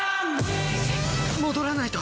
「戻らないと」